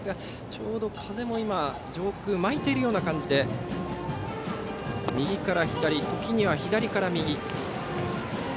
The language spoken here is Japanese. ちょうど、風も今上空を巻いているような感じで右から左、時には左から右。